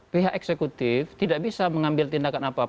pihak eksekutif tidak bisa mengambil tindakan apapun